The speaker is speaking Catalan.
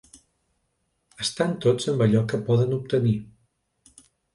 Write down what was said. Estan tots amb allò que poden obtenir.